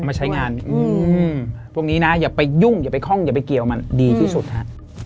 มาใช้งานพวกนี้นะอย่าไปยุ่งอย่าไปคล่องอย่าไปเกี่ยวมันดีที่สุดฮะ